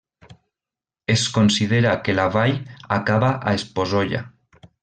Es considera que la vall acaba a Esposolla.